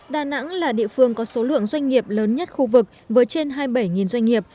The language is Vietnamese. đà nẵng là địa phương có số lượng doanh nghiệp lớn nhất khu vực với trên hai mươi bảy doanh nghiệp